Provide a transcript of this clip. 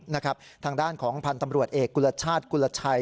ทางด้านของพันธ์ตำรวจเอกกุลชาติกุลชัย